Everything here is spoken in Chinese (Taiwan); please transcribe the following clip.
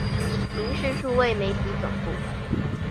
民視數位媒體總部